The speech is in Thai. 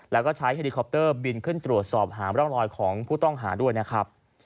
แล้วก็ใช้เฮลิคอปเตอร์บินขึ้นตรวจสอบหาร่องรอยของผู้ต้องหาด้วยนะครับ